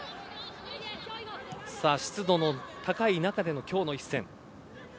湿度の高い中での今日の一戦。